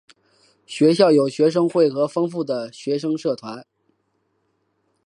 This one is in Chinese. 学校有学生会和丰富的学生社团。